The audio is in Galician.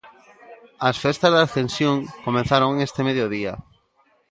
As festas da Ascensión comezaron este mediodía.